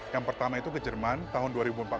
yang pertama itu ke jerman tahun dua ribu empat belas